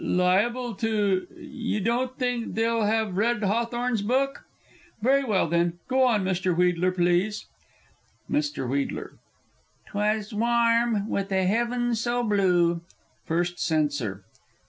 liable to You don't think they'll have read Hawthorne's book? Very well, then. Go on, Mr. Wheedler, please. Mr. W. "'Twas warm, with a heaven so blue." _First Censor.